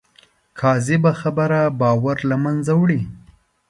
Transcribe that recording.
کاذبه خبره باور له منځه وړي